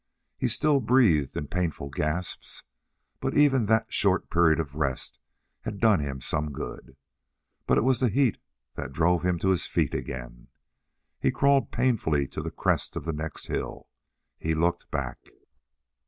He still breathed in painful gasps, but even that short period of rest had done him some good. But it was the heat that drove him to his feet again. He crawled painfully to the crest of the next hill. He looked back.